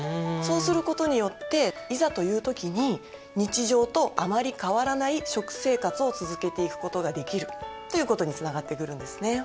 そうすることによっていざという時に日常とあまり変わらない食生活を続けていくことができるということにつながってくるんですね。